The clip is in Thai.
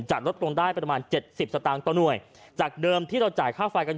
จัดลดลงได้ประมาณ๗๐สตางค์ตัวหน้วยจากเดิมที่เราจ่ายค่าฟายกัน